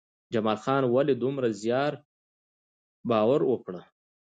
جمال خان ولې دومره زر باور وکړ؟